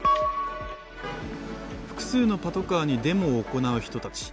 複数のパトカーにデモを行う人たち。